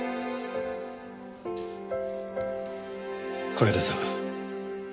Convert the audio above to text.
楓さん。